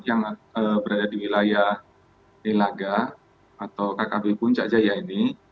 yang berada di wilayah nilaga atau kkb puncak jaya ini